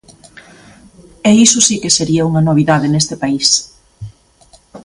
E iso si que sería unha novidade neste país.